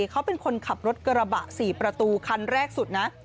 เขาเป็นคนขับรถกระบะ๔ประตูคันแรกสุดนะ